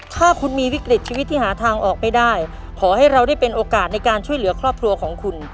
ถ้าคุณมีวิกฤตชีวิตที่หาทางออกไม่ได้ขอให้เราได้เป็นโอกาสในการช่วยเหลือครอบครัวของคุณ